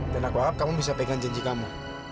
dan aku harap kamu bisa pegang janji kamu